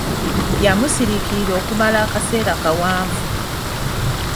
Yamusiriikirira okumala akaseera kawanvu.